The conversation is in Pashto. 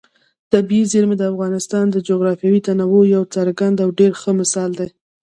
طبیعي زیرمې د افغانستان د جغرافیوي تنوع یو څرګند او ډېر ښه مثال دی.